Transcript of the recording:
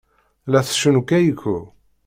La tcennu Keiko.